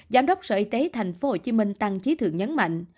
giám đốc sở y tế tp hcm tăng trí thượng nhấn mạnh